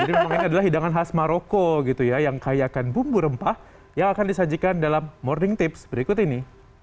jadi memang ini adalah hidangan khas maroko yang kayakan bumbu rempah yang akan disajikan dalam morning tips berikut ini